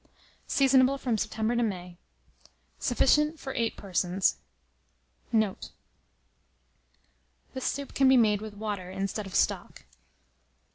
Seasonable from September to May. Sufficient for 8 persons. Note. This soup can be made with water instead of stock.